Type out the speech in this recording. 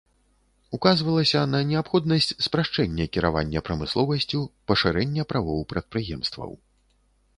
Указвалася на неабходнасць спрашчэння кіравання прамысловасцю, пашырэння правоў прадпрыемстваў.